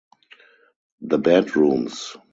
The bedrooms.